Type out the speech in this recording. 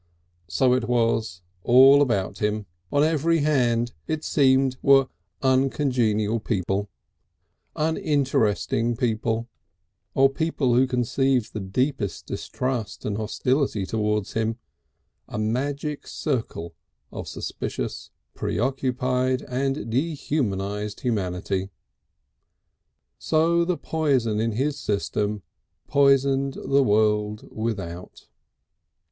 So it was all about him, on every hand it seemed were uncongenial people, uninteresting people, or people who conceived the deepest distrust and hostility towards him, a magic circle of suspicious, preoccupied and dehumanised humanity. So the poison in his system poisoned the world without.